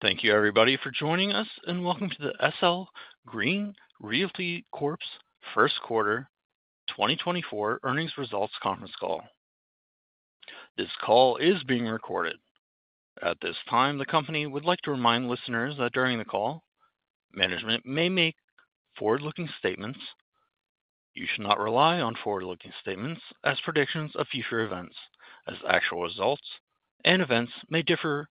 Thank you, everybody, for joining us, and welcome to the SL Green Realty Corp's first quarter 2024 earnings results conference call. This call is being recorded. At this time, the company would like to remind listeners that during the call, management may make forward-looking statements. You should not rely on forward-looking statements as predictions of future events, as actual results and events may differ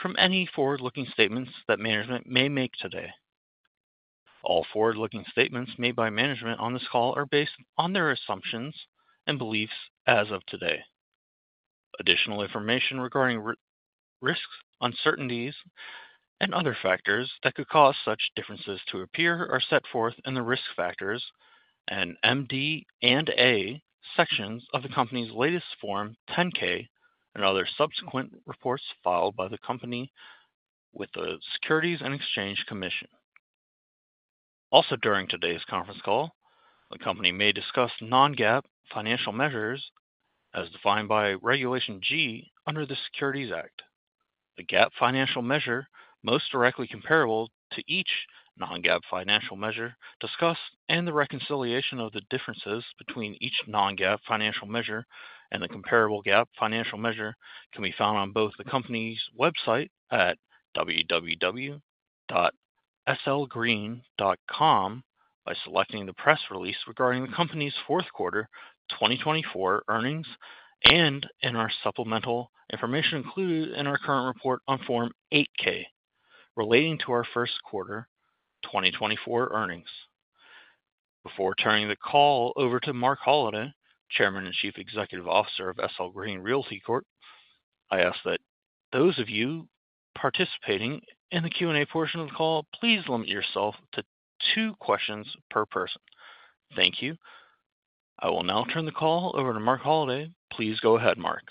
from any forward-looking statements that management may make today. All forward-looking statements made by management on this call are based on their assumptions and beliefs as of today. Additional information regarding risks, uncertainties, and other factors that could cause such differences to appear are set forth in the Risk Factors and MD&A sections of the company's latest Form 10-K and other subsequent reports filed by the company with the Securities and Exchange Commission. Also, during today's conference call, the company may discuss non-GAAP financial measures as defined by Regulation G under the Securities Act. The GAAP financial measure, most directly comparable to each non-GAAP financial measure discussed, and the reconciliation of the differences between each non-GAAP financial measure and the comparable GAAP financial measure can be found on both the company's website at www.slgreen.com by selecting the press release regarding the company's fourth quarter 2024 earnings, and in our supplemental information included in our current report on Form 8-K, relating to our first quarter 2024 earnings. Before turning the call over to Marc Holliday, Chairman and Chief Executive Officer of SL Green Realty Corp, I ask that those of you participating in the Q&A portion of the call, please limit yourself to two questions per person. Thank you. I will now turn the call over to Marc Holliday. Please go ahead, Marc.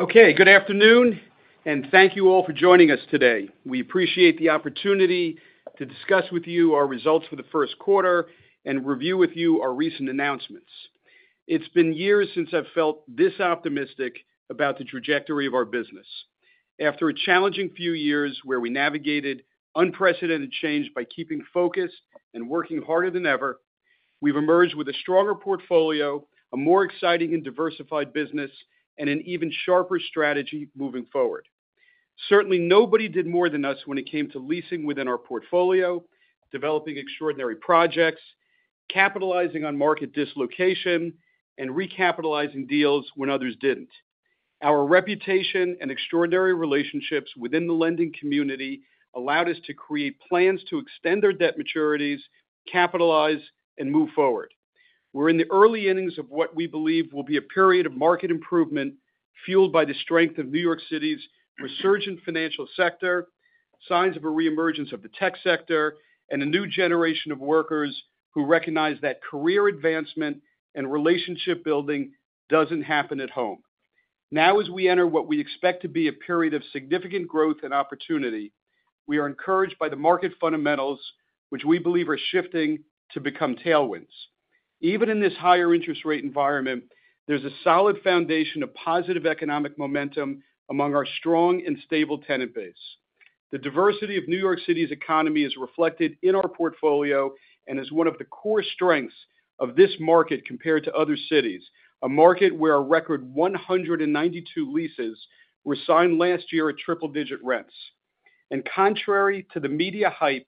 Okay, good afternoon, and thank you all for joining us today. We appreciate the opportunity to discuss with you our results for the first quarter and review with you our recent announcements. It's been years since I've felt this optimistic about the trajectory of our business. After a challenging few years where we navigated unprecedented change by keeping focused and working harder than ever, we've emerged with a stronger portfolio, a more exciting and diversified business, and an even sharper strategy moving forward. Certainly, nobody did more than us when it came to leasing within our portfolio, developing extraordinary projects, capitalizing on market dislocation, and recapitalizing deals when others didn't. Our reputation and extraordinary relationships within the lending community allowed us to create plans to extend our debt maturities, capitalize, and move forward. We're in the early innings of what we believe will be a period of market improvement, fueled by the strength of New York City's resurgent financial sector, signs of a reemergence of the tech sector, and a new generation of workers who recognize that career advancement and relationship building doesn't happen at home. Now, as we enter what we expect to be a period of significant growth and opportunity, we are encouraged by the market fundamentals, which we believe are shifting to become tailwinds. Even in this higher interest rate environment, there's a solid foundation of positive economic momentum among our strong and stable tenant base. The diversity of New York City's economy is reflected in our portfolio and is one of the core strengths of this market compared to other cities, a market where a record 192 leases were signed last year at triple-digit rents. Contrary to the media hype,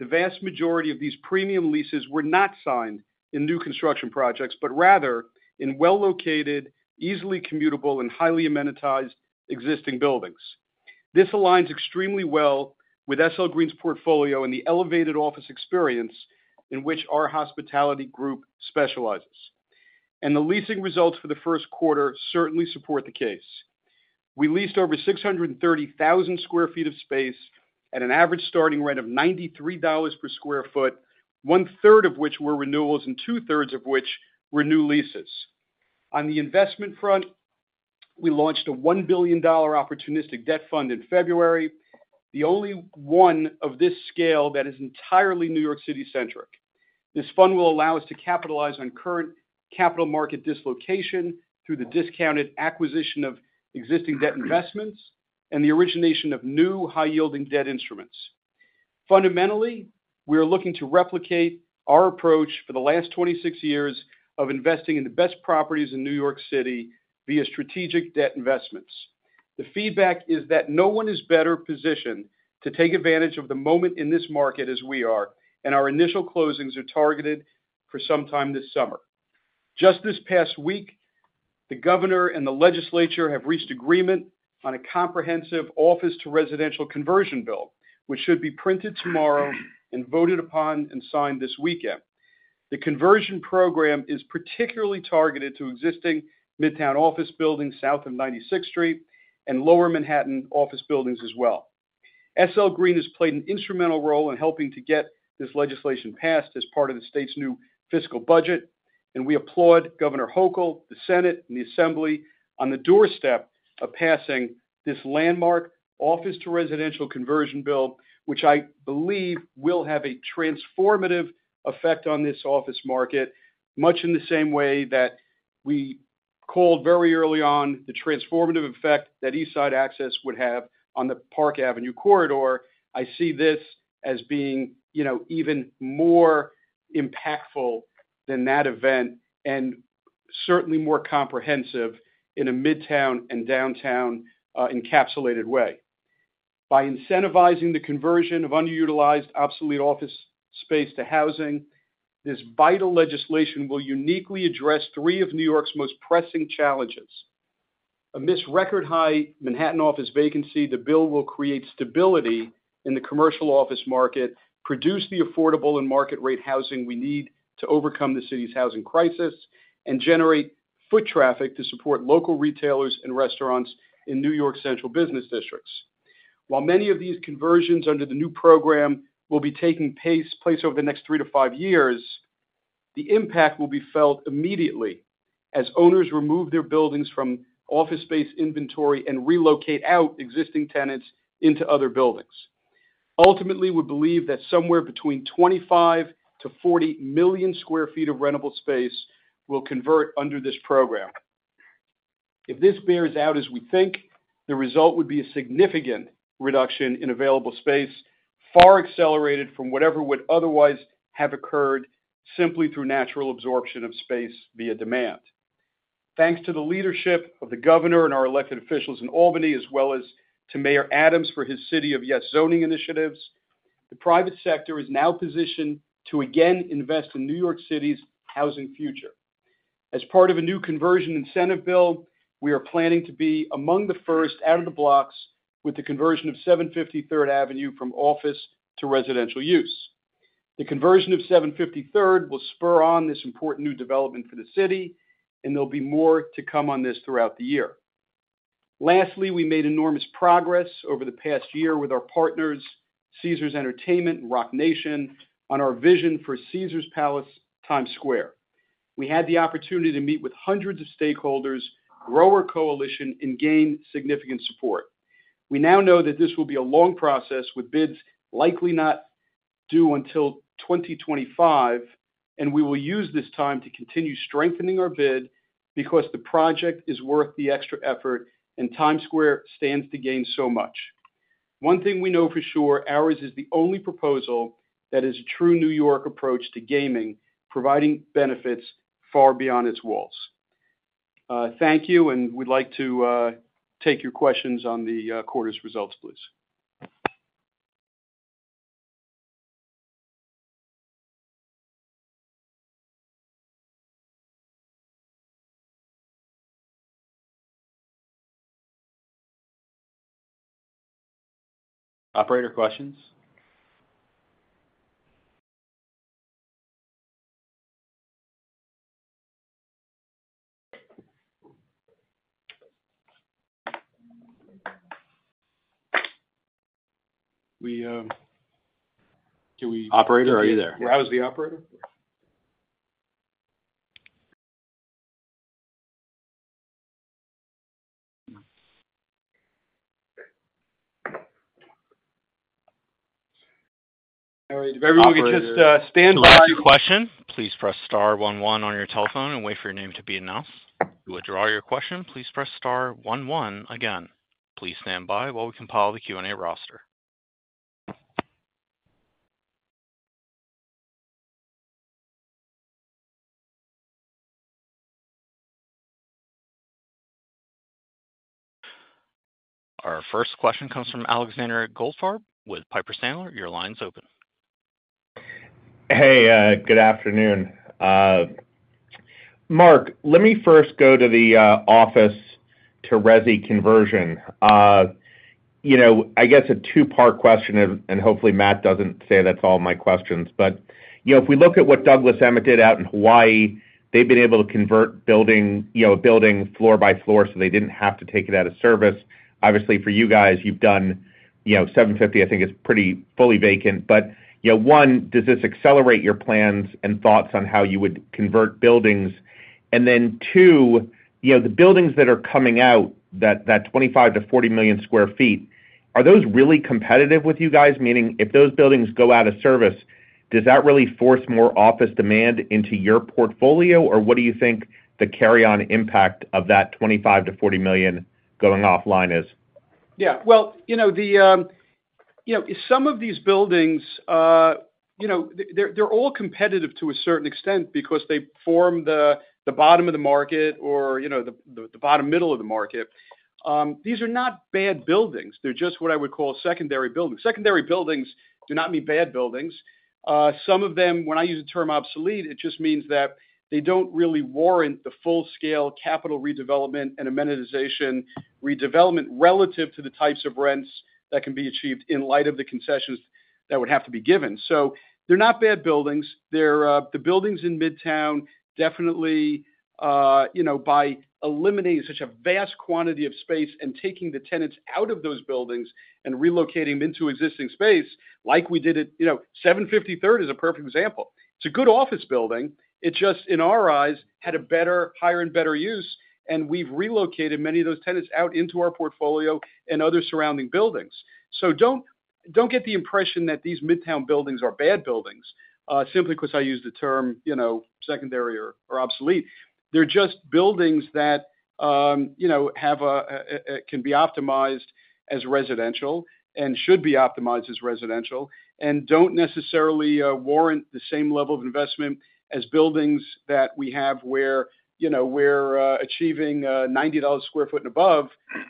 the vast majority of these premium leases were not signed in new construction projects, but rather in well-located, easily commutable and highly amenitized existing buildings. This aligns extremely well with SL Green's portfolio and the elevated office experience in which our hospitality group specializes. The leasing results for the first quarter certainly support the case. We leased over 630,000 sq ft of space at an average starting rate of $93 per sq ft, 1/3 of which were renewals and 2/3 of which were new leases. On the investment front, we launched a $1 billion opportunistic debt fund in February, the only one of this scale that is entirely New York City-centric. This fund will allow us to capitalize on current capital market dislocation through the discounted acquisition of existing debt investments and the origination of new high-yielding debt instruments. Fundamentally, we are looking to replicate our approach for the last 26 years of investing in the best properties in New York City via strategic debt investments. The feedback is that no one is better positioned to take advantage of the moment in this market as we are, and our initial closings are targeted for sometime this summer. Just this past week, the governor and the legislature have reached agreement on a comprehensive office-to-residential conversion bill, which should be printed tomorrow and voted upon and signed this weekend. The conversion program is particularly targeted to existing Midtown office buildings south of 96th Street and Lower Manhattan office buildings as well. SL Green has played an instrumental role in helping to get this legislation passed as part of the state's new fiscal budget, and we applaud Governor Hochul, the Senate, and the Assembly on the doorstep of passing this landmark office-to-residential conversion bill, which I believe will have a transformative effect on this office market, much in the same way that we called very early on the transformative effect that East Side Access would have on the Park Avenue Corridor. I see this as being, you know, even more impactful than that event and certainly more comprehensive in a Midtown and Downtown encapsulated way. By incentivizing the conversion of underutilized, obsolete office space to housing, this vital legislation will uniquely address three of New York's most pressing challenges. Amidst record high Manhattan office vacancy, the bill will create stability in the commercial office market, produce the affordable and market rate housing we need to overcome the city's housing crisis, and generate foot traffic to support local retailers and restaurants in New York's central business districts. While many of these conversions under the new program will be taking place over the next 3-5 years, the impact will be felt immediately as owners remove their buildings from office space inventory and relocate out existing tenants into other buildings. Ultimately, we believe that somewhere between 25-40 million sq ft of rentable space will convert under this program. If this bears out as we think, the result would be a significant reduction in available space, far accelerated from whatever would otherwise have occurred simply through natural absorption of space via demand. Thanks to the leadership of the governor and our elected officials in Albany, as well as to Mayor Adams for his City of Yes zoning initiatives, the private sector is now positioned to again invest in New York City's housing future. As part of a new conversion incentive bill, we are planning to be among the first out of the blocks with the conversion of 753rd Avenue from office to residential use. The conversion of 753rd will spur on this important new development for the city, and there'll be more to come on this throughout the year. Lastly, we made enormous progress over the past year with our partners, Caesars Entertainment and Roc Nation, on our vision for Caesars Palace, Times Square. We had the opportunity to meet with hundreds of stakeholders, grow our coalition, and gain significant support. We now know that this will be a long process, with bids likely not due until 2025, and we will use this time to continue strengthening our bid because the project is worth the extra effort and Times Square stands to gain so much. One thing we know for sure, ours is the only proposal that is a true New York approach to gaming, providing benefits far beyond its walls. Thank you, and we'd like to take your questions on the quarter's results, please. Operator, questions? Can we- Operator, are you there? How is the operator? All right, if everybody could just stand by. To ask a question, please Press Star one one on your telephone and wait for your name to be announced. To withdraw your question, please press star one one again. Please stand by while we compile the Q&A roster. Our first question comes from Alexander Goldfarb with Piper Sandler. Your line's open. Hey, good afternoon. Marc, let me first go to the office to resi conversion. You know, I guess a two-part question, and hopefully Matt doesn't say that's all my questions. But, you know, if we look at what Douglas Emmett did out in Hawaii, they've been able to convert building, you know, floor by floor, so they didn't have to take it out of service. Obviously, for you guys, you've done, you know, 750, I think, is pretty fully vacant. But, you know, one, does this accelerate your plans and thoughts on how you would convert buildings? And then two, you know, the buildings that are coming out, that 25-40 million sq ft, are those really competitive with you guys? Meaning, if those buildings go out of service, does that really force more office demand into your portfolio? Or what do you think the carryover impact of that $25 million-$40 million going offline is? Yeah. Well, you know, the, you know, some of these buildings, you know, they're, they're all competitive to a certain extent because they form the, the bottom of the market or, you know, the, the, the bottom middle of the market. These are not bad buildings. They're just what I would call secondary buildings. Secondary buildings do not mean bad buildings. Some of them, when I use the term obsolete, it just means that they don't really warrant the full-scale capital redevelopment and amenitization redevelopment relative to the types of rents that can be achieved in light of the concessions that would have to be given. So they're not bad buildings. They're the buildings in Midtown, definitely, you know, by eliminating such a vast quantity of space and taking the tenants out of those buildings and relocating them into existing space, like we did at... You know, 7503rd is a perfect example. It's a good office building. It just, in our eyes, had a better, higher and better use, and we've relocated many of those tenants out into our portfolio and other surrounding buildings. So don't, don't get the impression that these Midtown buildings are bad buildings... simply because I use the term, you know, secondary or obsolete. They're just buildings that, you know, have a can be optimized as residential and should be optimized as residential, and don't necessarily warrant the same level of investment as buildings that we have where, you know, we're achieving $90 a sq ft and above.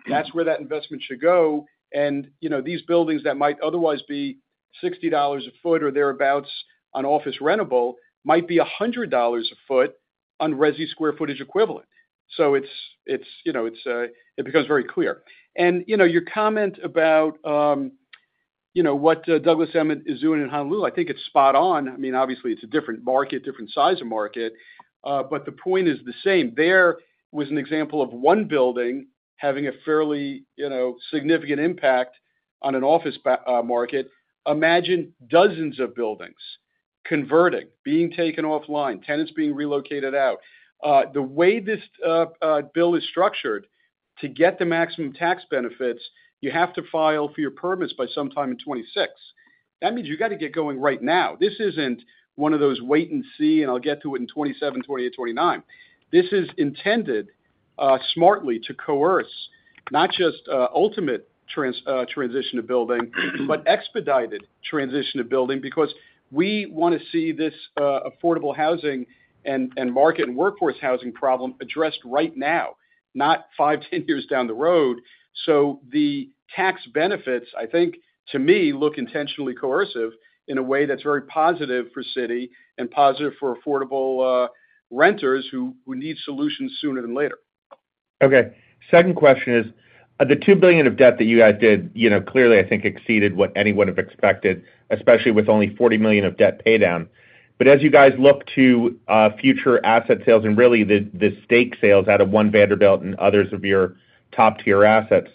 That's where that investment should go. And, you know, these buildings that might otherwise be $60 a foot or thereabouts on office rentable might be $100 a foot on resi square footage equivalent. So it's, you know, it becomes very clear. And, you know, your comment about, you know, what Douglas Emmett is doing in Honolulu, I think it's spot on. I mean, obviously, it's a different market, different size of market, but the point is the same. There was an example of one building having a fairly, you know, significant impact on an office market. Imagine dozens of buildings converting, being taken offline, tenants being relocated out. The way this bill is structured, to get the maximum tax benefits, you have to file for your permits by sometime in 2026. That means you got to get going right now. This isn't one of those wait and see, and I'll get to it in 2027, 2028, 2029. This is intended, smartly to coerce, not just, ultimate transition to building, but expedited transition to building, because we wanna see this, affordable housing and, and market and workforce housing problem addressed right now, not five, 10 years down the road. The tax benefits, I think, to me, look intentionally coercive in a way that's very positive for city and positive for affordable renters who need solutions sooner than later. Okay. Second question is, the $2 billion of debt that you guys did, you know, clearly, I think, exceeded what anyone have expected, especially with only $40 million of debt pay down. But as you guys look to future asset sales and really the stake sales out of One Vanderbilt and others of your top-tier assets,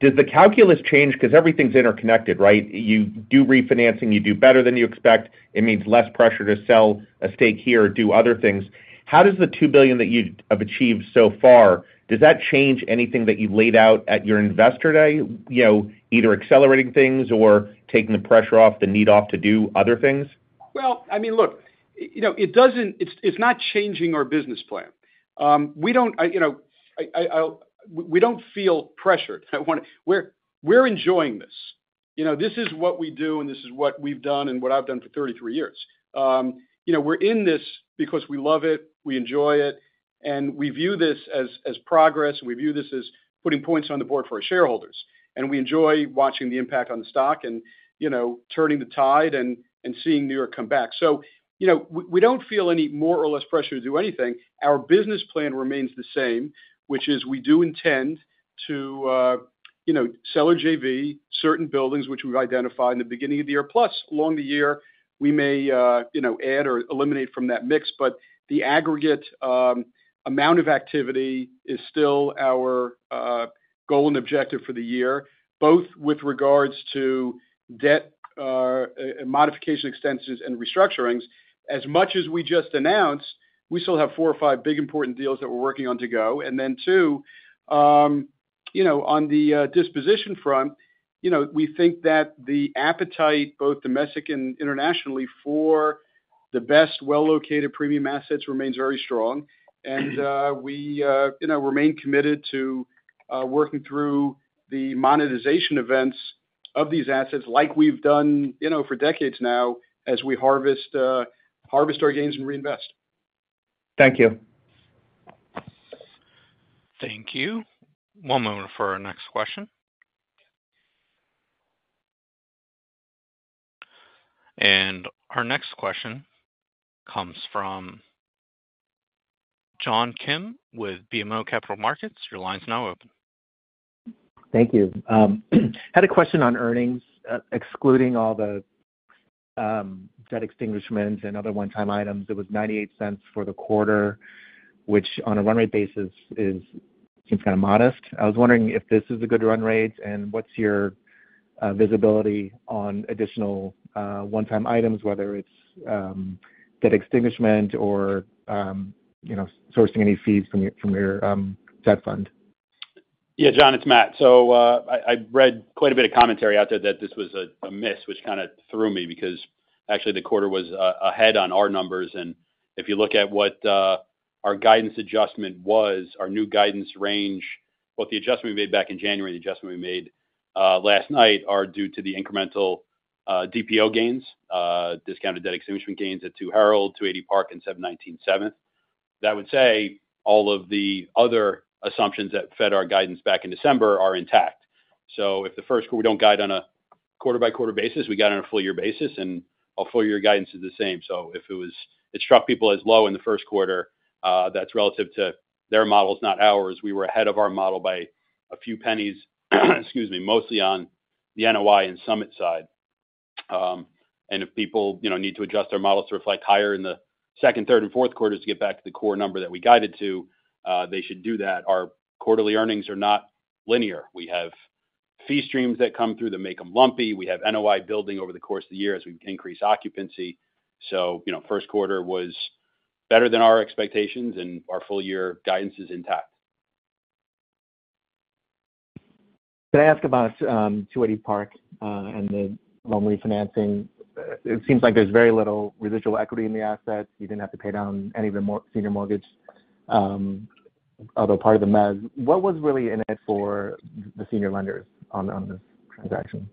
does the calculus change? Because everything's interconnected, right? You do refinancing, you do better than you expect, it means less pressure to sell a stake here or do other things. How does the $2 billion that you've achieved so far, does that change anything that you've laid out at your Investor Day, you know, either accelerating things or taking the pressure off, the need off to do other things? Well, I mean, look, you know, it doesn't. It's not changing our business plan. We don't feel pressured. I want to. We're enjoying this. You know, this is what we do, and this is what we've done and what I've done for 33 years. You know, we're in this because we love it, we enjoy it, and we view this as progress, and we view this as putting points on the board for our shareholders. We enjoy watching the impact on the stock and, you know, turning the tide and seeing New York come back. So, you know, we don't feel any more or less pressure to do anything. Our business plan remains the same, which is we do intend to, you know, sell or JV certain buildings which we've identified in the beginning of the year. Plus, along the year, we may, you know, add or eliminate from that mix. But the aggregate amount of activity is still our goal and objective for the year, both with regards to debt modification, extensions, and restructurings. As much as we just announced, we still have four or five big important deals that we're working on to go. And then, too, you know, on the disposition front, you know, we think that the appetite, both domestic and internationally, for the best, well-located premium assets remains very strong. We, you know, remain committed to working through the monetization events of these assets like we've done, you know, for decades now, as we harvest our gains and reinvest. Thank you. Thank you. One moment for our next question. And our next question comes from John Kim with BMO Capital Markets. Your line's now open. Thank you. Had a question on earnings. Excluding all the debt extinguishments and other one-time items, it was $0.98 for the quarter, which on a run rate basis seems kind of modest. I was wondering if this is a good run rate, and what's your visibility on additional one-time items, whether it's debt extinguishment or, you know, sourcing any fees from your, from your debt fund? Yeah, John, it's Matt. So, I read quite a bit of commentary out there that this was a miss, which kind of threw me, because actually, the quarter was ahead on our numbers. And if you look at what our guidance adjustment was, our new guidance range, both the adjustment we made back in January, the adjustment we made last night, are due to the incremental DPO gains, discounted debt extinguishment gains at Two Herald, 280 Park, and 719 Seventh. That would say all of the other assumptions that fed our guidance back in December are intact. So if the first... We don't guide on a quarter-by-quarter basis, we guide on a full year basis, and our full year guidance is the same. So if it was, it struck people as low in the first quarter, that's relative to their models, not ours. We were ahead of our model by a few pennies, excuse me, mostly on the NOI and Summit side. And if people, you know, need to adjust their models to reflect higher in the second, third, and fourth quarters to get back to the core number that we guided to, they should do that. Our quarterly earnings are not linear. We have fee streams that come through that make them lumpy. We have NOI building over the course of the year as we increase occupancy. So, you know, first quarter was better than our expectations, and our full year guidance is intact. Can I ask about 280 Park and the loan refinancing? It seems like there's very little residual equity in the asset. You didn't have to pay down any of the more senior mortgage, although part of the mezz. What was really in it for the senior lenders on this transaction?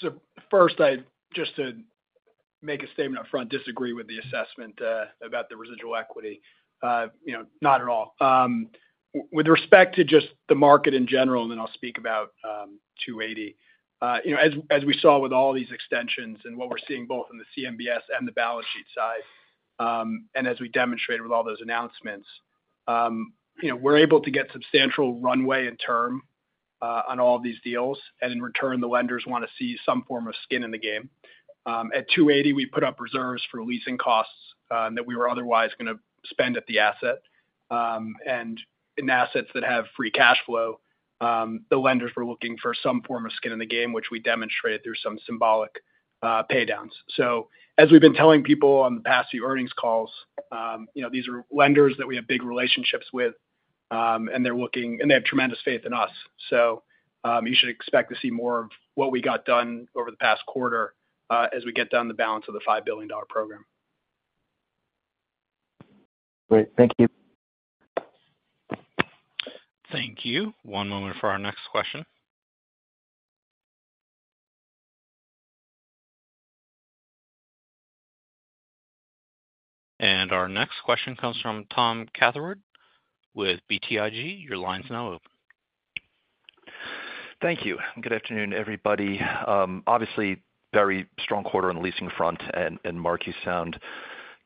So first, I just to make a statement up front, disagree with the assessment about the residual equity. You know, not at all. With respect to just the market in general, and then I'll speak about 280. You know, as we saw with all these extensions and what we're seeing both in the CMBS and the balance sheet side, and as we demonstrated with all those announcements, you know, we're able to get substantial runway and term on all these deals. And in return, the lenders want to see some form of skin in the game. At 280, we put up reserves for leasing costs that we were otherwise going to spend at the asset. And in assets that have free cash flow, the lenders were looking for some form of skin in the game, which we demonstrated through some symbolic paydowns. As we've been telling people on the past few earnings calls, you know, these are lenders that we have big relationships with, and they're looking. And they have tremendous faith in us. You should expect to see more of what we got done over the past quarter, as we get down the balance of the $5 billion program. Great. Thank you. Thank you. One moment for our next question. Our next question comes from Tom Catherwood with BTIG. Your line's now open. Thank you. Good afternoon, everybody. Obviously, very strong quarter on the leasing front. And Mark, you sound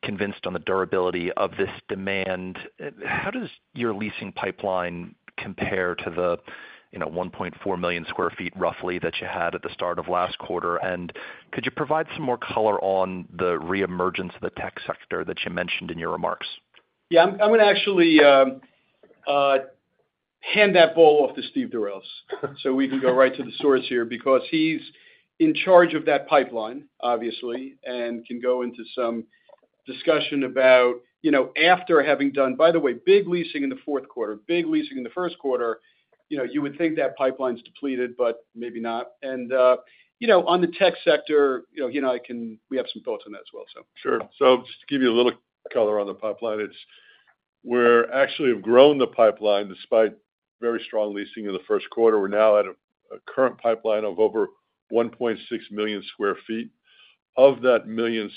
convinced on the durability of this demand. How does your leasing pipeline compare to the, you know, 1.4 million sq ft, roughly, that you had at the start of last quarter? And could you provide some more color on the reemergence of the tech sector that you mentioned in your remarks? Yeah, I'm going to actually hand that ball off to Steve Durels, so we can go right to the source here, because he's in charge of that pipeline, obviously, and can go into some discussion about, you know, after having done, by the way, big leasing in the fourth quarter, big leasing in the first quarter, you know, you would think that pipeline's depleted, but maybe not. And, you know, on the tech sector, you know, I can—we have some thoughts on that as well, so. Sure. So just to give you a little color on the pipeline, we're actually have grown the pipeline despite very strong leasing in the first quarter. We're now at a current pipeline of over 1.6 million sq ft. Of that 1.6 million,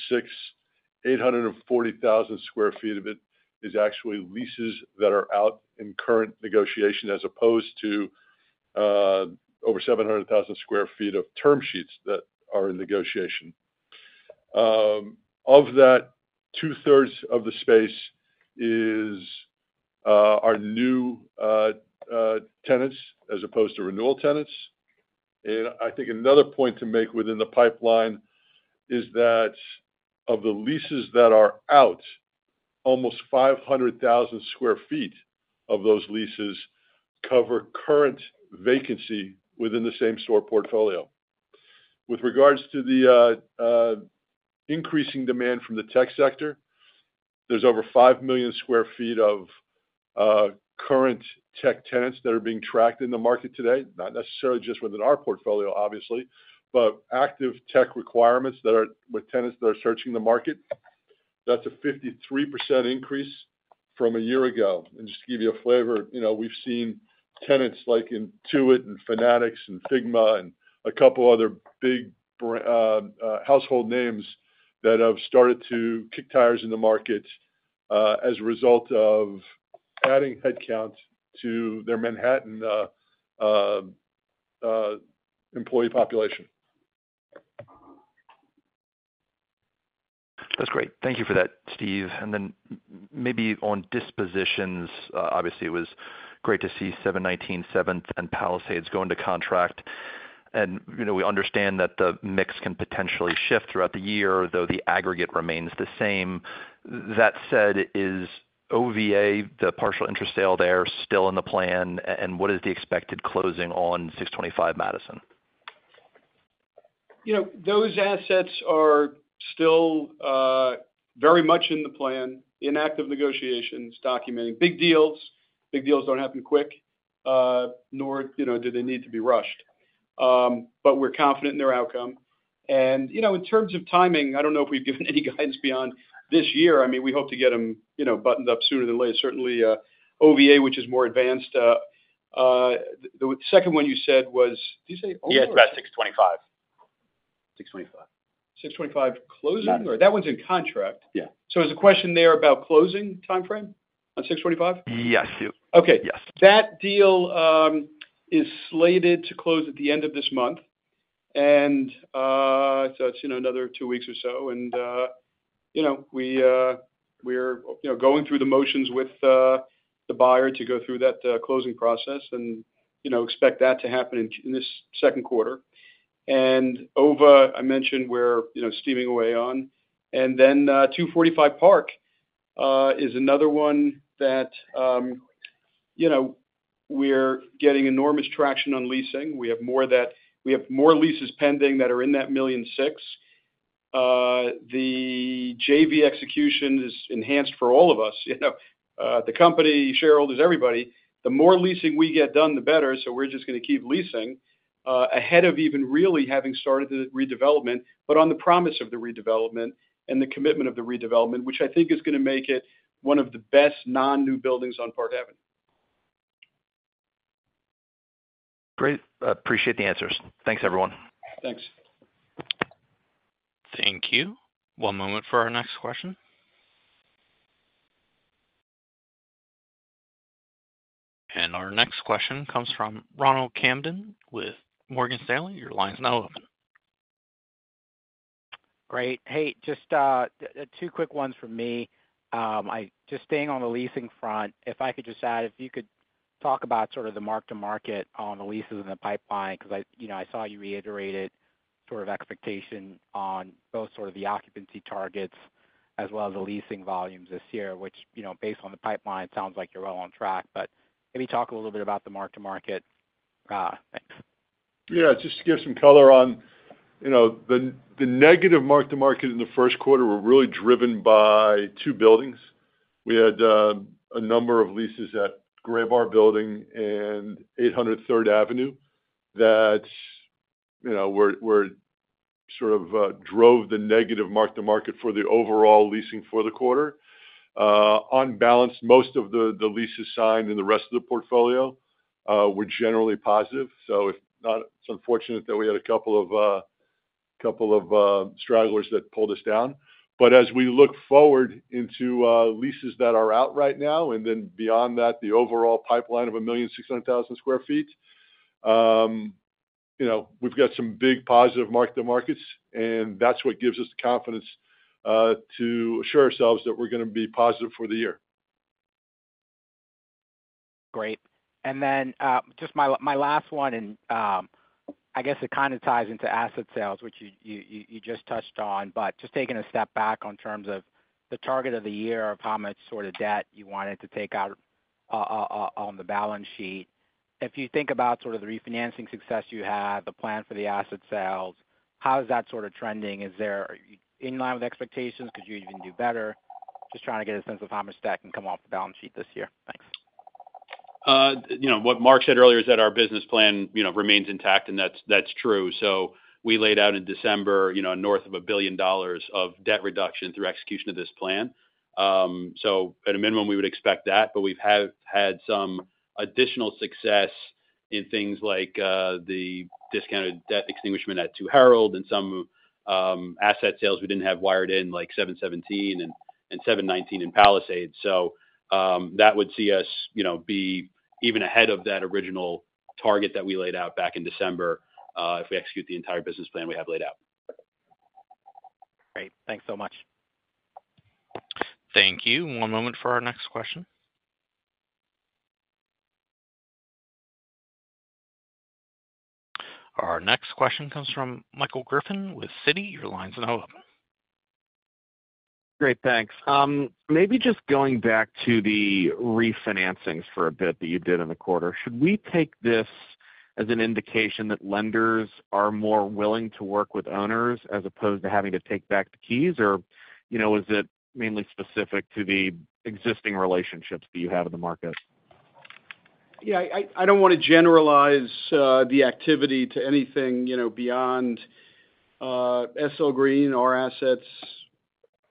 840,000 sq ft of it is actually leases that are out in current negotiation, as opposed to over 700,000 sq ft of term sheets that are in negotiation. Of that, 2/3 of the space are new tenants as opposed to renewal tenants. And I think another point to make within the pipeline is that of the leases that are out, almost 500,000 sq ft of those leases cover current vacancy within the same store portfolio. With regards to the increasing demand from the tech sector, there's over 5 million sq ft of current tech tenants that are being tracked in the market today, not necessarily just within our portfolio, obviously, but active tech requirements that are with tenants that are searching the market. That's a 53% increase from a year ago. Just to give you a flavor, you know, we've seen tenants like Intuit and Fanatics and Figma and a couple other big household names that have started to kick tires in the market as a result of adding headcount to their Manhattan employee population. That's great. Thank you for that, Steve. Then maybe on dispositions, obviously, it was great to see 719 Seventh and Palisades go into contract. You know, we understand that the mix can potentially shift throughout the year, though the aggregate remains the same. That said, is OVA, the partial interest sale there, still in the plan? And what is the expected closing on 625 Madison? You know, those assets are still very much in the plan, in active negotiations, documenting big deals. Big deals don't happen quick, nor, you know, do they need to be rushed. But we're confident in their outcome. You know, in terms of timing, I don't know if we've given any guidance beyond this year. I mean, we hope to get them, you know, buttoned up sooner than later. Certainly, OVA, which is more advanced... The, the second one you said was, did you say OVA? Yeah, that's 625. 625. 625 closing? Madison. That one's in contract. Yeah. Is the question there about closing timeframe on 625? Yes, Steve. Okay. Yes. That deal is slated to close at the end of this month, and so it's, you know, another two weeks or so. And you know, we're going through the motions with the buyer to go through that closing process and, you know, expect that to happen in this second quarter. And OVA, I mentioned, we're, you know, steaming away on. And then, 245 Park is another one that, you know, we're getting enormous traction on leasing. We have more leases pending that are in that 1.6 million.... The JV execution is enhanced for all of us, you know, the company, shareholders, everybody. The more leasing we get done, the better, so we're just gonna keep leasing ahead of even really having started the redevelopment, but on the promise of the redevelopment and the commitment of the redevelopment, which I think is gonna make it one of the best non-new buildings on Park Avenue. Great. I appreciate the answers. Thanks, everyone. Thanks. Thank you. One moment for our next question. And our next question comes from Ronald Kamdem with Morgan Stanley. Your line's now open. Great. Hey, just two quick ones from me. Just staying on the leasing front, if I could just add, if you could talk about sort of the mark-to-market on the leases in the pipeline, because I, you know, I saw you reiterated sort of expectation on both sort of the occupancy targets as well as the leasing volumes this year, which, you know, based on the pipeline, sounds like you're well on track. But maybe talk a little bit about the mark-to-market. Thanks. Yeah, just to give some color on, you know, the negative mark-to-market in the first quarter were really driven by two buildings. We had a number of leases at Gramercy Building and 8003rd Avenue that, you know, were sort of drove the negative mark-to-market for the overall leasing for the quarter. On balance, most of the leases signed in the rest of the portfolio were generally positive, so if not, it's unfortunate that we had a couple of stragglers that pulled us down. But as we look forward into leases that are out right now, and then beyond that, the overall pipeline of 1,600,000 sq ft, you know, we've got some big positive mark-to-markets, and that's what gives us the confidence to assure ourselves that we're gonna be positive for the year. Great. And then, just my last one, and I guess it kind of ties into asset sales, which you just touched on, but just taking a step back in terms of the target of the year, of how much sort of debt you wanted to take out on the balance sheet. If you think about sort of the refinancing success you had, the plan for the asset sales, how is that sort of trending? Is that in line with expectations? Could you even do better? Just trying to get a sense of how much debt can come off the balance sheet this year. Thanks. You know, what Mark said earlier is that our business plan, you know, remains intact, and that's true. So we laid out in December, you know, north of $1 billion of debt reduction through execution of this plan. So at a minimum, we would expect that, but we've had some additional success in things like the discounted debt extinguishment at Two Herald Square and some asset sales we didn't have wired in, like 7175th Avenue and 7197th Avenue in Palisades. So that would see us, you know, be even ahead of that original target that we laid out back in December, if we execute the entire business plan we have laid out. Great. Thanks so much. Thank you. One moment for our next question. Our next question comes from Michael Griffin with Citi. Your line's now open. Great, thanks. Maybe just going back to the refinancings for a bit that you did in the quarter. Should we take this as an indication that lenders are more willing to work with owners, as opposed to having to take back the keys? Or, you know, is it mainly specific to the existing relationships that you have in the market? Yeah, I don't want to generalize the activity to anything, you know, beyond SL Green, our assets,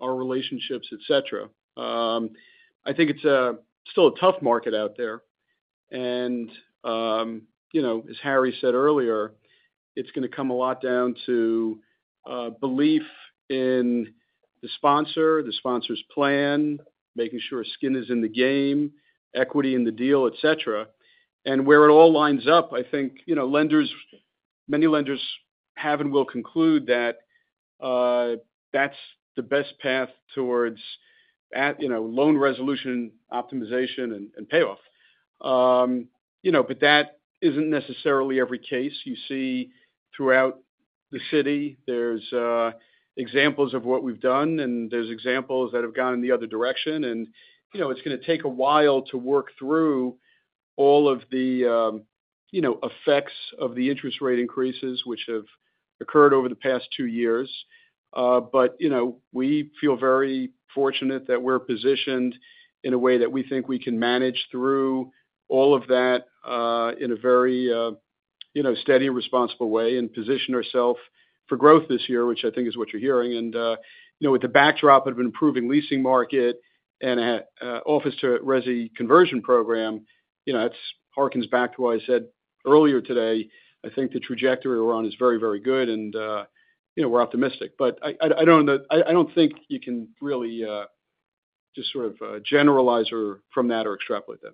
our relationships, et cetera. I think it's still a tough market out there, and you know, as Harry said earlier, it's gonna come a lot down to belief in the sponsor, the sponsor's plan, making sure skin is in the game, equity in the deal, et cetera. And where it all lines up, I think, you know, lenders, many lenders have and will conclude that that's the best path towards at, you know, loan resolution, optimization, and payoff. You know, but that isn't necessarily every case. You see throughout the city, there's examples of what we've done, and there's examples that have gone in the other direction, and, you know, it's gonna take a while to work through all of the, you know, effects of the interest rate increases, which have occurred over the past two years. But, you know, we feel very fortunate that we're positioned in a way that we think we can manage through all of that, in a very, you know, steady and responsible way and position ourself for growth this year, which I think is what you're hearing. And, you know, with the backdrop of an improving leasing market and a, office to resi conversion program, you know, that's hearkens back to what I said earlier today, I think the trajectory we're on is very, very good, and, you know, we're optimistic. But I don't know—I don't think you can really just sort of generalize or from that or extrapolate that.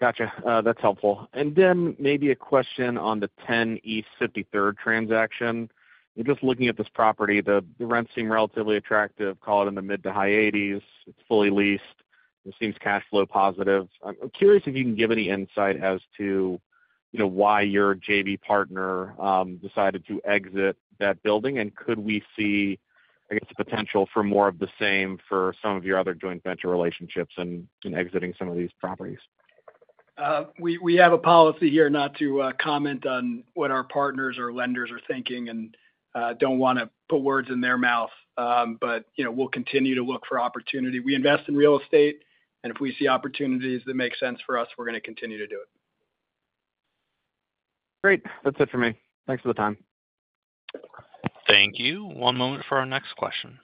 Gotcha. That's helpful. And then maybe a question on the 10 East 53rd Street transaction. Just looking at this property, the rents seem relatively attractive, call it in the mid- to high $80s. It's fully leased. It seems cash flow positive. I'm curious if you can give any insight as to, you know, why your JV partner decided to exit that building, and could we see, I guess, the potential for more of the same for some of your other joint venture relationships and exiting some of these properties?... We have a policy here not to comment on what our partners or lenders are thinking, and don't wanna put words in their mouth. But you know, we'll continue to look for opportunity. We invest in real estate, and if we see opportunities that make sense for us, we're gonna continue to do it. Great. That's it for me. Thanks for the time. Thank you. One moment for our next question.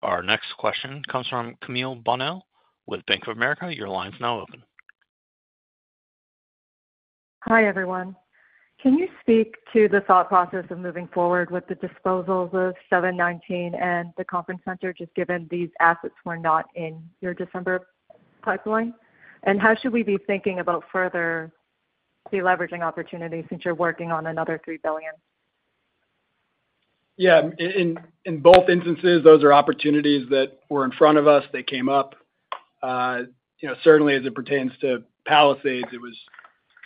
Our next question comes from Camille Bonnell with Bank of America. Your line's now open. Hi, everyone. Can you speak to the thought process of moving forward with the disposals of 719 and the conference center, just given these assets were not in your December pipeline? And how should we be thinking about further deleveraging opportunities since you're working on another $3 billion? Yeah, in both instances, those are opportunities that were in front of us. They came up. You know, certainly as it pertains to Palisades, it was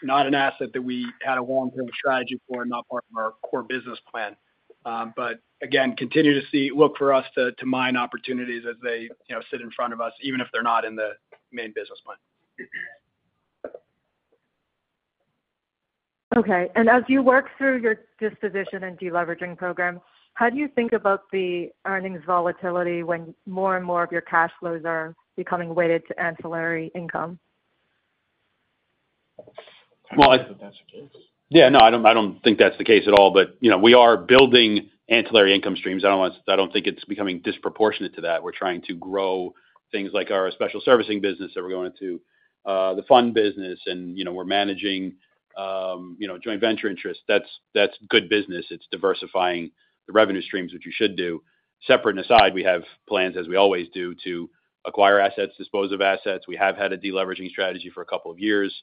not an asset that we had a long-term strategy for, not part of our core business plan. But again, continue to look for us to mine opportunities as they, you know, sit in front of us, even if they're not in the main business plan. Okay. As you work through your disposition and deleveraging program, how do you think about the earnings volatility when more and more of your cash flows are becoming weighted to ancillary income? Well, I think that's the case. Yeah, no, I don't, I don't think that's the case at all. But, you know, we are building ancillary income streams. I don't want to I don't think it's becoming disproportionate to that. We're trying to grow things like our special servicing business that we're going into, the fund business, and, you know, we're managing, you know, joint venture interests. That's, that's good business. It's diversifying the revenue streams, which you should do. Separate and aside, we have plans, as we always do, to acquire assets, dispose of assets. We have had a deleveraging strategy for a couple of years.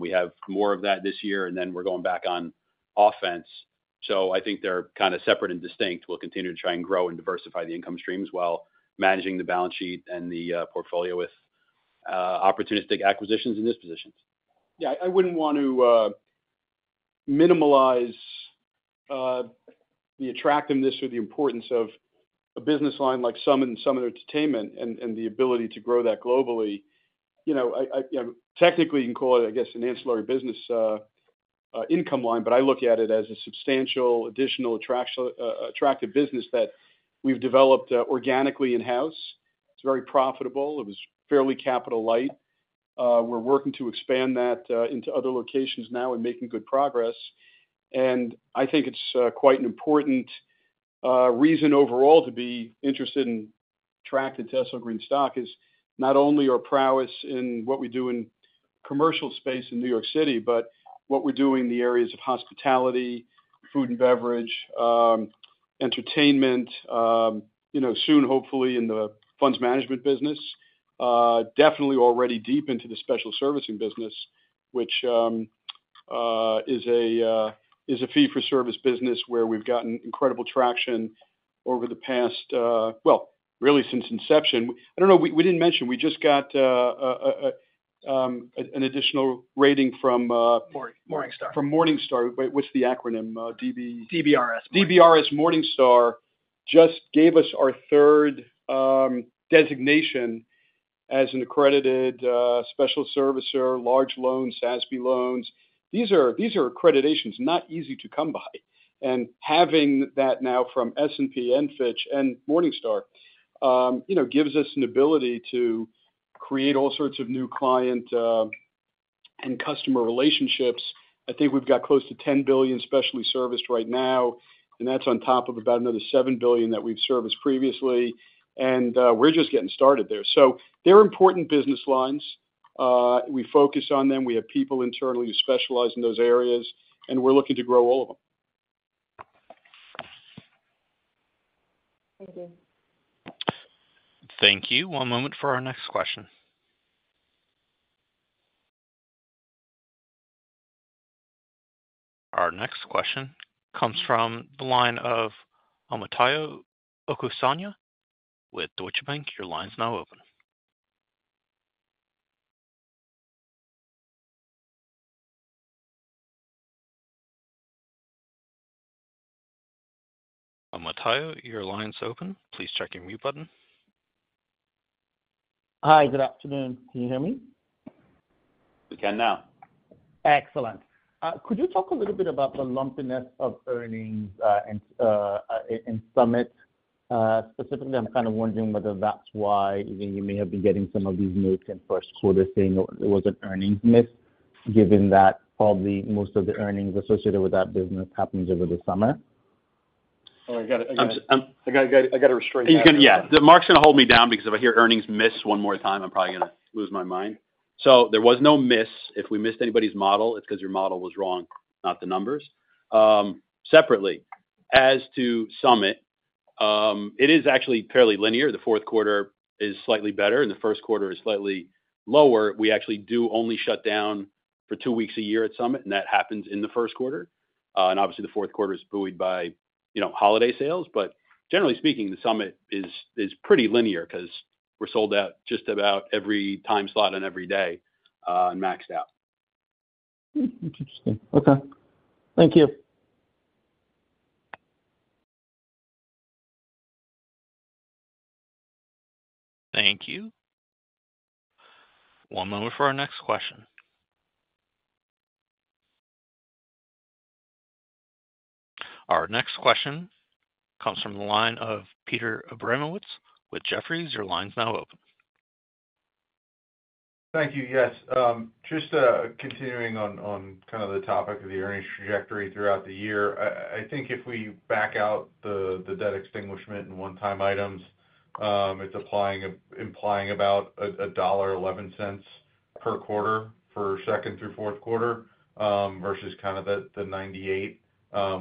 We have more of that this year, and then we're going back on offense. So I think they're kind of separate and distinct. We'll continue to try and grow and diversify the income streams while managing the balance sheet and the portfolio with opportunistic acquisitions and dispositions. Yeah, I wouldn't want to minimize the attractiveness or the importance of a business line like Summit and Summit Entertainment and the ability to grow that globally. You know, technically, you can call it, I guess, an ancillary business, income line, but I look at it as a substantial additional attractive business that we've developed organically in-house. It's very profitable. It was fairly capital light. We're working to expand that into other locations now and making good progress. I think it's quite an important reason overall to be interested in SL Green stock, is not only our prowess in what we do in commercial space in New York City, but what we're doing in the areas of hospitality, food and beverage, entertainment, you know, soon, hopefully in the funds management business. Definitely already deep into the special servicing business, which is a fee-for-service business where we've gotten incredible traction over the past, well, really since inception. I don't know, we didn't mention, we just got an additional rating from. Morningstar. From Morningstar. Wait, what's the acronym? DB- DBRS. DBRS Morningstar just gave us our third designation as an accredited special servicer, large loans, SASB loans. These are, these are accreditations, not easy to come by. And having that now from S&P and Fitch and Morningstar, you know, gives us an ability to create all sorts of new client and customer relationships. I think we've got close to $10 billion specially serviced right now, and that's on top of about another $7 billion that we've serviced previously, and we're just getting started there. So they're important business lines. We focus on them. We have people internally who specialize in those areas, and we're looking to grow all of them. Thank you. Thank you. One moment for our next question. Our next question comes from the line of Omotayo Okusanya with Deutsche Bank. Your line is now open. Omotayo, your line is open. Please check your mute button. Hi, good afternoon. Can you hear me? We can now. Excellent. Could you talk a little bit about the lumpiness of earnings in Summit? Specifically, I'm kind of wondering whether that's why you may have been getting some of these notes in first quarter, saying it was an earnings miss, given that probably most of the earnings associated with that business happens over the summer. Oh, I got it. I got to restrain you. You can, yeah. Mark's going to hold me down because if I hear earnings miss one more time, I'm probably going to lose my mind. So there was no miss. If we missed anybody's model, it's because your model was wrong, not the numbers. Separately, as to Summit, it is actually fairly linear. The fourth quarter is slightly better, and the first quarter is slightly lower. We actually do only shut down for two weeks a year at Summit, and that happens in the first quarter. And obviously, the fourth quarter is buoyed by, you know, holiday sales. But generally speaking, the Summit is pretty linear because we're sold out just about every time slot on every day, and maxed out. Hmm, interesting. Okay. Thank you. Thank you. One moment for our next question. Our next question comes from the line of Peter Abramowitz with Jefferies. Your line's now open. Thank you. Yes, just continuing on kind of the topic of the earnings trajectory throughout the year. I think if we back out the debt extinguishment and one-time items, it's implying about $1.11 per quarter for second through fourth quarter, versus kind of the $0.98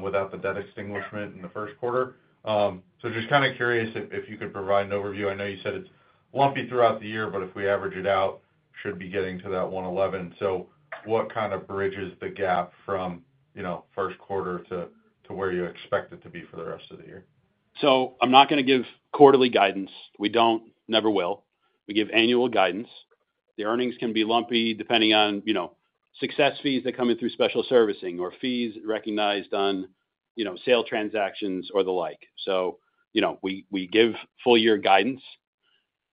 without the debt extinguishment in the first quarter. So just kind of curious if you could provide an overview. I know you said it's lumpy throughout the year, but if we average it out, should be getting to that $1.11. So what kind of bridges the gap from, you know, first quarter to where you expect it to be for the rest of the year? So I'm not gonna give quarterly guidance. We don't, never will. We give annual guidance. The earnings can be lumpy, depending on, you know, success fees that come in through special servicing or fees recognized on, you know, sale transactions or the like. So, you know, we, we give full year guidance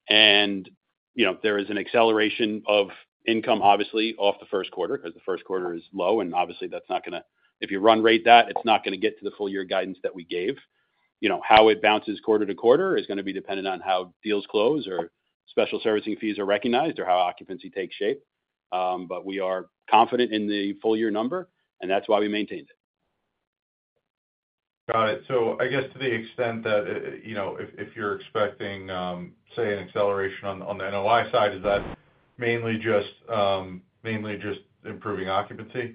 and, you know, there is an acceleration of income, obviously, off the first quarter, because the first quarter is low, and obviously, that's not gonna. If you run rate that, it's not gonna get to the full year guidance that we gave. You know, how it bounces quarter to quarter is gonna be dependent on how deals close or special servicing fees are recognized or how occupancy takes shape. But we are confident in the full year number, and that's why we maintained it. Got it. So I guess to the extent that, you know, if you're expecting, say, an acceleration on the NOI side, is that mainly just improving occupancy?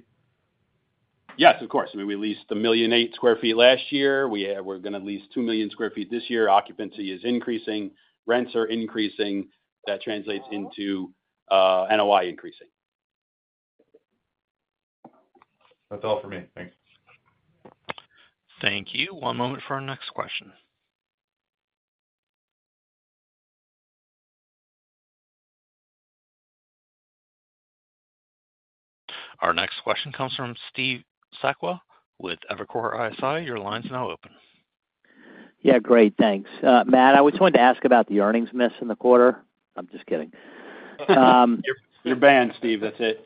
Yes, of course. I mean, we leased 1.8 million sq ft last year. We're gonna lease 2 million sq ft this year. Occupancy is increasing. Rents are increasing. That translates into NOI increasing. That's all for me. Thanks. Thank you. One moment for our next question. Our next question comes from Steve Sakwa with Evercore ISI. Your line is now open. Yeah, great. Thanks. Matt, I was wanting to ask about the earnings miss in the quarter. I'm just kidding. You're banned, Steve. That's it.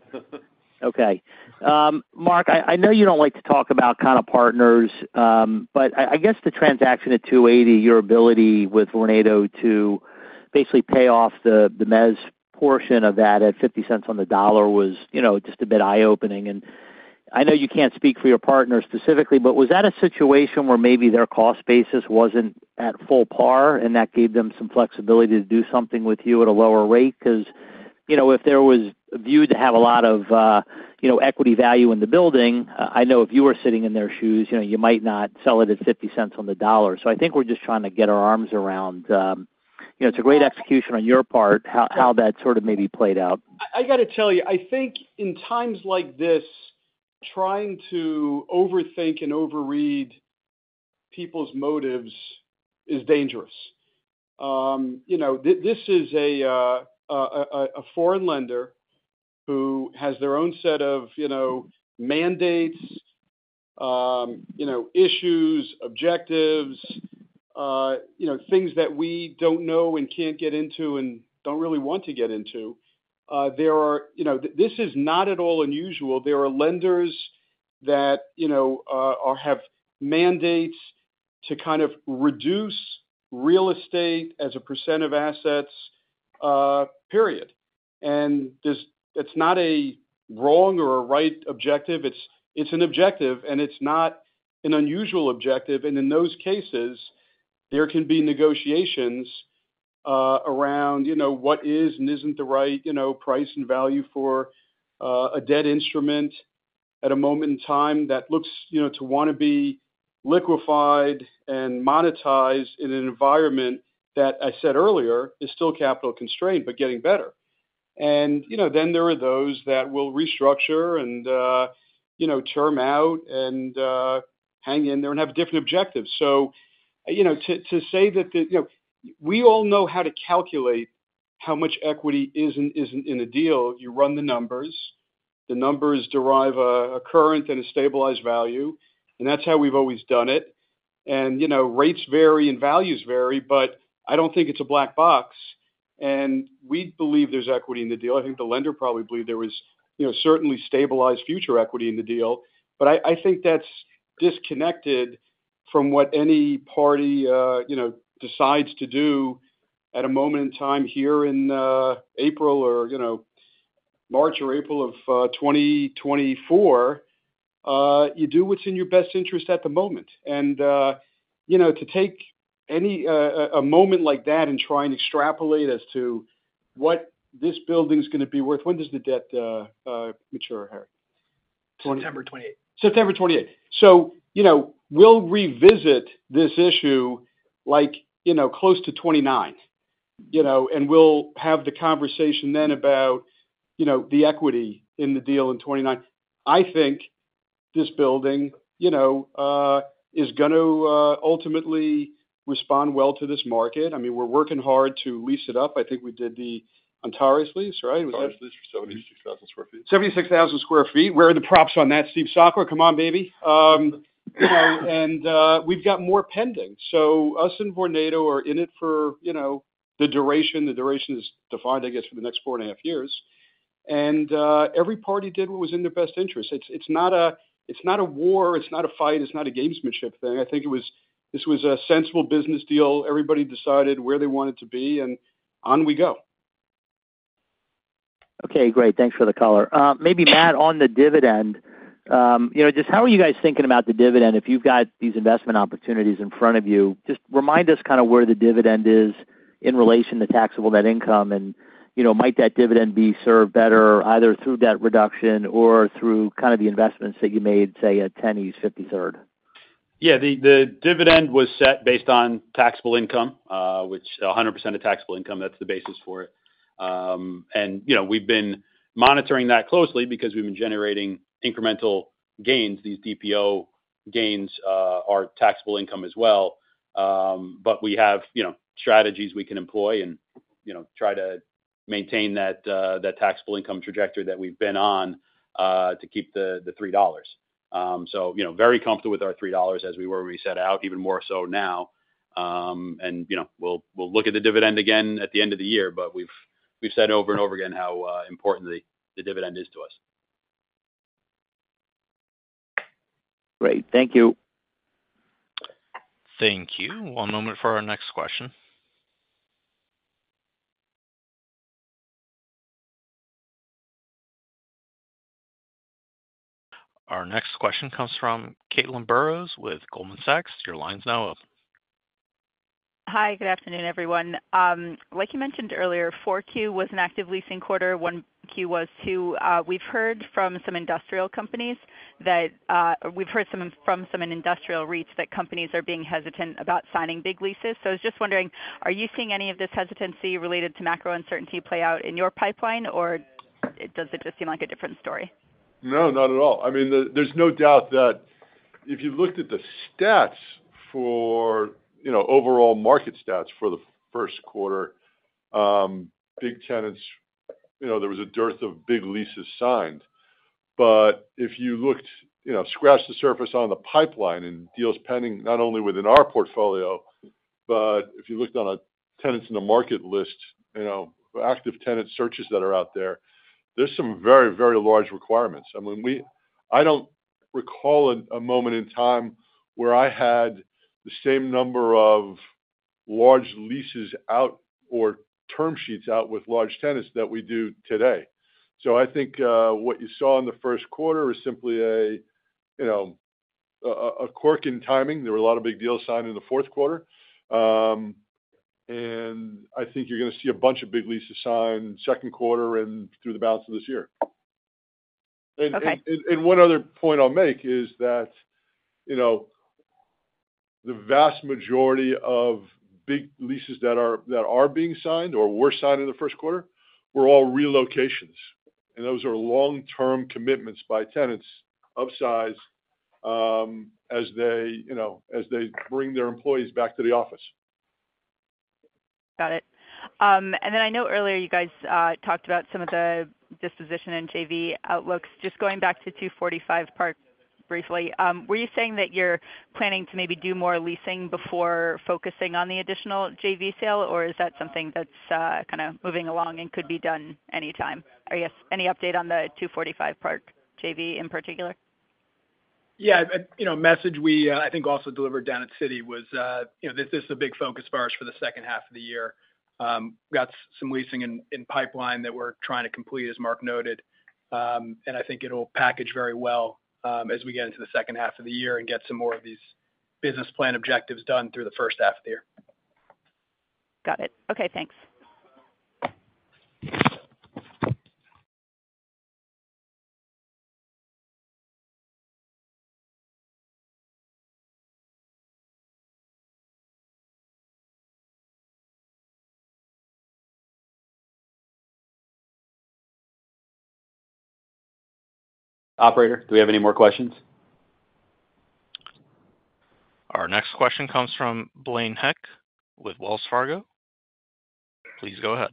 Okay. Mark, I know you don't like to talk about kind of partners, but I guess the transaction at 280, your ability with Vornado to basically pay off the mezz portion of that at 0.50 cents on the dollar was, you know, just a bit eye-opening. And I know you can't speak for your partner specifically, but was that a situation where maybe their cost basis wasn't at full par, and that gave them some flexibility to do something with you at a lower rate? Because, you know, if there was viewed to have a lot of, you know, equity value in the building, I know if you were sitting in their shoes, you know, you might not sell it at 50 cents on the dollar. I think we're just trying to get our arms around, you know, it's a great execution on your part, how that sort of maybe played out. I gotta tell you, I think in times like this, trying to overthink and overread people's motives is dangerous. You know, this is a foreign lender who has their own set of, you know, mandates, you know, issues, objectives, you know, things that we don't know and can't get into and don't really want to get into. There are... You know, this is not at all unusual. There are lenders that, you know, are have mandates to kind of reduce real estate as a percent of assets, period. And this it's not a wrong or a right objective. It's an objective, and it's not an unusual objective, and in those cases, there can be negotiations around, you know, what is and isn't the right, you know, price and value for a debt instrument at a moment in time that looks, you know, to want to be liquefied and monetized in an environment that I said earlier is still capital constrained, but getting better. And, you know, then there are those that will restructure and, you know, term out and hang in there and have different objectives. So, you know, to say that the... You know, we all know how to calculate how much equity is and isn't in a deal. You run the numbers, the numbers derive a current and a stabilized value, and that's how we've always done it. You know, rates vary and values vary, but I don't think it's a black box, and we believe there's equity in the deal. I think the lender probably believed there was, you know, certainly stabilized future equity in the deal, but I think that's disconnected from what any party, you know, decides to do at a moment in time here in, April or, you know, March or April of 2024. You do what's in your best interest at the moment. And, you know, to take a moment like that and try and extrapolate as to what this building's gonna be worth... When does the debt mature, Harry? 28th September 28th September. So, you know, we'll revisit this issue like, you know, close to 2029, you know, and we'll have the conversation then about, you know, the equity in the deal in 2029. I think- this building, you know, is going to ultimately respond well to this market. I mean, we're working hard to lease it up. I think we did the Antares lease, right? Antares lease for 76,000 sq ft. 76,000 sq ft. Where are the props on that, Steve Durels? Come on, baby. And we've got more pending. So us and Vornado are in it for, you know, the duration. The duration is defined, I guess, for the next 4.5 years. And every party did what was in their best interest. It's, it's not a, it's not a war, it's not a fight, it's not a gamesmanship thing. I think it was. This was a sensible business deal. Everybody decided where they wanted to be, and on we go. Okay, great. Thanks for the color. Maybe Matt, on the dividend, you know, just how are you guys thinking about the dividend if you've got these investment opportunities in front of you? Just remind us kind of where the dividend is in relation to taxable net income, and, you know, might that dividend be served better either through debt reduction or through kind of the investments that you made, say, at 10 East 53rd? Yeah, the dividend was set based on taxable income, which 100% of taxable income, that's the basis for it. And, you know, we've been monitoring that closely because we've been generating incremental gains. These DPO gains are taxable income as well. But we have, you know, strategies we can employ and, you know, try to maintain that, that taxable income trajectory that we've been on, to keep the $3. So, you know, very comfortable with our $3 as we were when we set out, even more so now. And, you know, we'll look at the dividend again at the end of the year, but we've said over and over again how important the dividend is to us. Great. Thank you. Thank you. One moment for our next question. Our next question comes from Caitlin Burrows with Goldman Sachs. Your line's now open. Hi, good afternoon, everyone. Like you mentioned earlier, 4Q was an active leasing quarter, 1Q was too. We've heard from some industrial REITs that companies are being hesitant about signing big leases. So I was just wondering, are you seeing any of this hesitancy related to macro uncertainty play out in your pipeline, or does it just seem like a different story? No, not at all. I mean, there's no doubt that if you looked at the stats for, you know, overall market stats for the first quarter, big tenants, you know, there was a dearth of big leases signed. But if you looked, you know, scratched the surface on the pipeline and deals pending, not only within our portfolio, but if you looked on a tenants in the market list, you know, active tenant searches that are out there, there's some very, very large requirements. I mean, we, I don't recall a moment in time where I had the same number of large leases out or term sheets out with large tenants that we do today. So I think what you saw in the first quarter is simply a, you know, a quirk in timing. There were a lot of big deals signed in the fourth quarter. I think you're going to see a bunch of big leases signed second quarter and through the balance of this year. Okay. And one other point I'll make is that, you know, the vast majority of big leases that are being signed or were signed in the first quarter were all relocations. Those are long-term commitments by tenants of size, as they, you know, as they bring their employees back to the office. Got it. And then I know earlier you guys talked about some of the disposition in JV outlooks. Just going back to 245 Park briefly, were you saying that you're planning to maybe do more leasing before focusing on the additional JV sale, or is that something that's kind of moving along and could be done anytime? I guess, any update on the 245 Park JV in particular? Yeah, you know, message we I think also delivered down at Citi was, you know, this is a big focus for us for the second half of the year. We got some leasing in pipeline that we're trying to complete, as Marc noted. And I think it'll package very well, as we get into the second half of the year and get some more of these business plan objectives done through the first half of the year. Got it. Okay, thanks. Operator, do we have any more questions? Our next question comes from Blaine Heck with Wells Fargo. Please go ahead.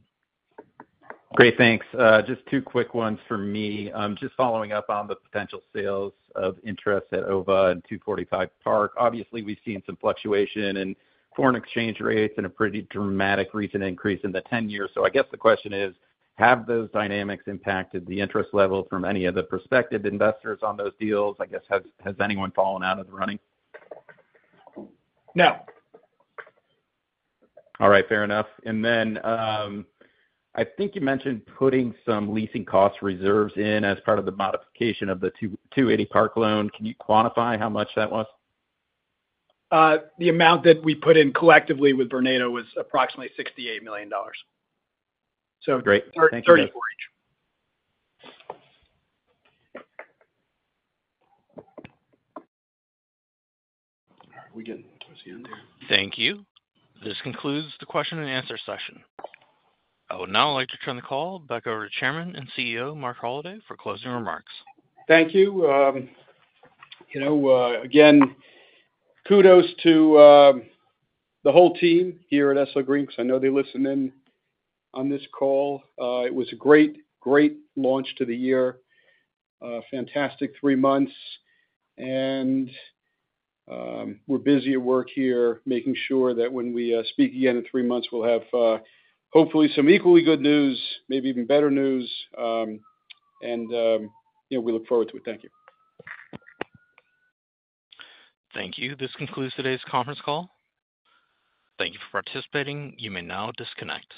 Great, thanks. Just two quick ones for me. Just following up on the potential sales of interest at OVA and 245 Park. Obviously, we've seen some fluctuation in foreign exchange rates and a pretty dramatic recent increase in the 10-year. So I guess the question is: Have those dynamics impacted the interest level from any of the prospective investors on those deals? I guess, has anyone fallen out of the running? No. All right. Fair enough. And then, I think you mentioned putting some leasing cost reserves in as part of the modification of the 280 Park loan. Can you quantify how much that was? The amount that we put in collectively with Vornado was approximately $68 million. Great. Thank you. 34 each. Thank you. This concludes the question and answer session. I would now like to turn the call back over to Chairman and CEO, Marc Holliday, for closing remarks. Thank you. You know, again, kudos to the whole team here at SL Green, because I know they listen in on this call. It was a great, great launch to the year. Fantastic three months. And we're busy at work here, making sure that when we speak again in three months, we'll have hopefully some equally good news, maybe even better news. And you know, we look forward to it. Thank you. Thank you. This concludes today's conference call. Thank you for participating. You may now disconnect.